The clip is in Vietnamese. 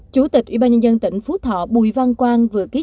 chủ tịch ubnd tỉnh phú thọ bùi văn quang vừa ký